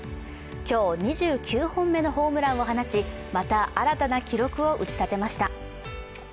今日２９本目のホームランを放ちまた新たな記録を打ちたてました。